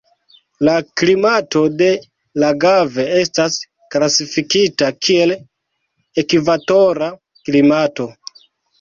La klimato de Lagave estas klasifikita kiel ekvatora klimato.